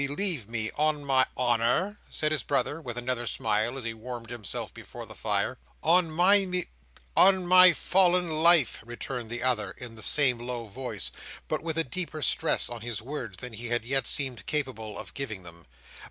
Believe me, on my—" "Honour?" said his brother, with another smile, as he warmed himself before the fire. "On my Me—on my fallen life!" returned the other, in the same low voice, but with a deeper stress on his words than he had yet seemed capable of giving them.